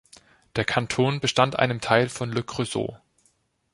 Der Kanton bestand einem Teil von Le Creusot.